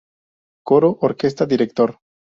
Coro, Orquesta, Director.